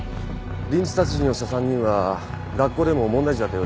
リンチ殺人をした３人は学校でも問題児だったようです。